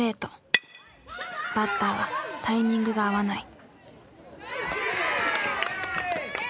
バッターはタイミングが合わない。